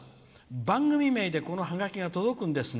番組名で、このハガキが届くんですね」。